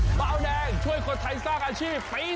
เบาแดงช่วยคนไทยสร้างอาชีพปี๒